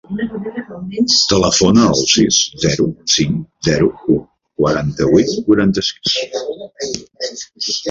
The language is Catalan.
Telefona al sis, zero, cinc, zero, u, quaranta-vuit, quaranta-sis.